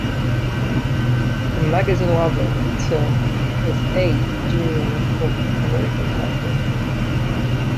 The magazine labels itself as A Journal from America's Heartland.